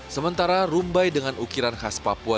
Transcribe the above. sementara rumbai dengan ukiran khas papua